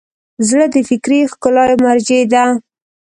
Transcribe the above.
زړه د فکري ښکلا مرجع ده.